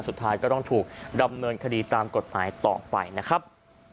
สุดท้ายก็ต้องถูกดำเนินคดีตามกฎหมายต่อไปนะครับ